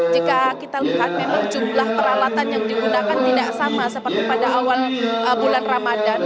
jika kita lihat memang jumlah peralatan yang digunakan tidak sama seperti pada awal bulan ramadan